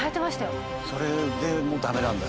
それでもダメなんだ。